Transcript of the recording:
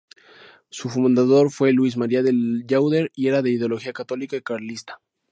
Su fundador fue Luis María de Llauder y era de ideología católica y carlista.